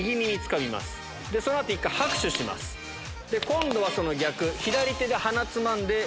今度はその逆。